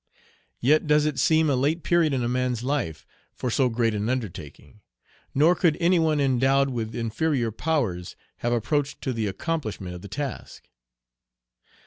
Yet does it seem a late period in a man's life for so great an undertaking; nor could any one endowed with inferior powers have approached to the accomplishment of the task.